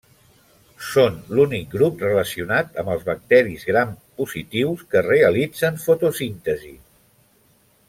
Són l'únic grup relacionat amb els bacteris Gram positius que realitzen fotosíntesi.